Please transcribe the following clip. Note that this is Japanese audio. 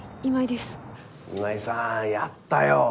今井さんやったよ！